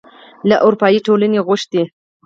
له اروپايي ټولنې غوښتي